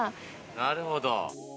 なるほど。